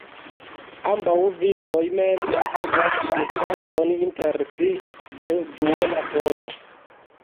Ambaŭ vicoj mem havas distancon inter si de duona tono.